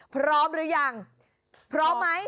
พร้อมหรือยังพร้อมไหม